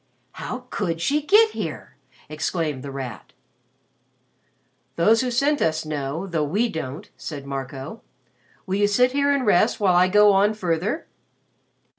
"How could she get here?" exclaimed The Rat. "Those who sent us know, though we don't," said Marco. "Will you sit here and rest while I go on further?"